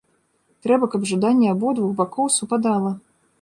Трэба, каб жаданне абодвух бакоў супадала.